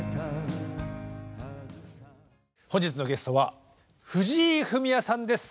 本日のゲストは藤井フミヤさんです。